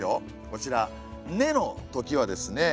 こちら「子のとき」はですね